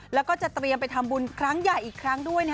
แล้วก็จะเตรียมไปทำบุญครั้งใหญ่อีกครั้งด้วย